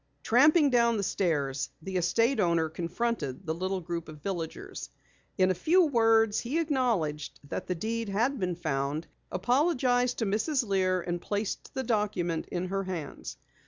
Tramping down the stairs, the estate owner confronted the little group of villagers. In a few words he acknowledged that the deed had been found, apologized to Mrs. Lear, and placed the document in her hands.